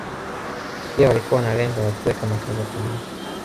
Pia walikuwa na lengo la kuweka makazi ya kudumu